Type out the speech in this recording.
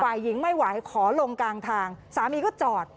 ฝ่ายหญิงไม่ไหวขอลงกลางทางสามีก็จอด